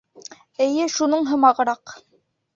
Эйе, шуның һымағыраҡ.